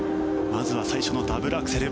まずは最初のダブルアクセル。